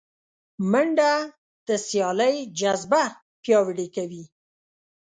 منډه د سیالۍ جذبه پیاوړې کوي